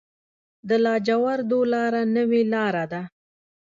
د لاجوردو لاره نوې لاره ده